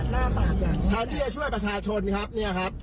มุ่งหน้าไปถนนพัฒนาค่ะเหมือนคนบ้าเลยค่ะพี่ขับรถอันตรายมากเลยครับ